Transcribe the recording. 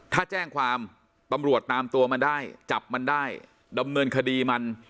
ถ้าแจ้งความตำรวจตามตัวมันได้จับมันได้ดำเนินคดีมัน